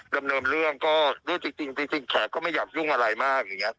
ดำเนินเรื่องก็ด้วยจริงแขกก็ไม่อยากยุ่งอะไรมากอย่างนี้